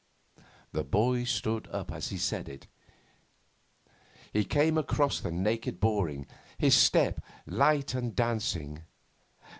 The boy stood up as he said it. He came across the naked boarding, his step light and dancing.